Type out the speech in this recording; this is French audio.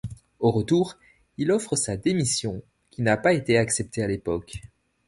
Au retour, il offre sa démission, qui n'a pas été acceptée à l'époque.